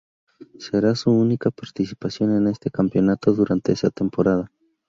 Será su única participación en este campeonato durante esa temporada.